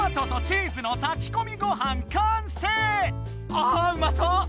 ああうまそう！